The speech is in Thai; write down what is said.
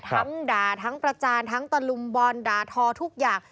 ทั้งด่าทั้งประจานทั้งตะลุมบอลด่าทอทุกอย่าง